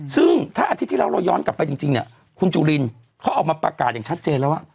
ซึ่งถ้าอาทิตย์ที่แล้วเราย้อนกลับไปจริงเนี่ยคุณจุลินเขาออกมาประกาศอย่างชัดเจนแล้วว่า